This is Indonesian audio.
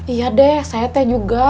iya deh saya teh juga